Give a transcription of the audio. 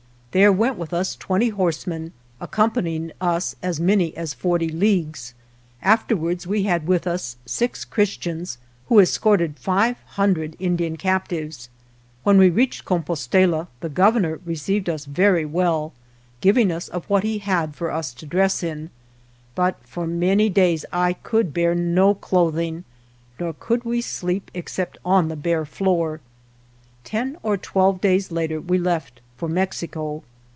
There went with us twenty horsemen, accompany ing us as many as forty leagues ; afterwards we had with us six Christians, who escorted five hundred Indian captives. When we reached Compostela, the Governor received us very well, giving us of what he had, for us to dress in ; but for many days I could bear no clothing, nor could we sleep, except on the bare floor. Ten or twelve days later we left for Mexico.